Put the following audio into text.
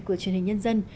của truyền hình báo